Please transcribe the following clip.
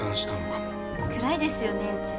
暗いですよねうち。